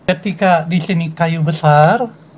ketika disini kayu besar